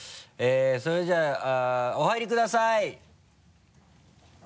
それじゃあお入りください。